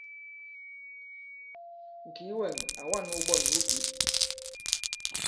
Ŋ̀kìi wɛ̂ŋ à wa᷇n wuɓɔn wu pǐp.